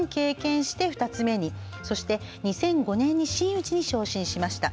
そして、２００５年に真打に昇進しました。